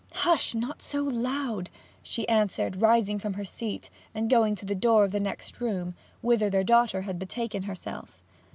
'Hush! not so loud!' she answered, rising from her seat and going to the door of the next room, whither her daughter had betaken herself.